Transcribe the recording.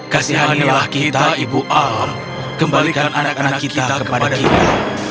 kasihanlah kita ibu alam kembalikan anak anak kita kepada kita